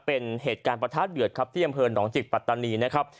เป็นเหตุการณ์ประทะเดือดครับที่อำเภอหนองจิกปัตตานีนะครับ